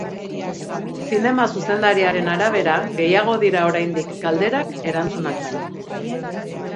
Zinema zuzendariaren arabera, gehiago dira oraindik galderak erantzunak baino.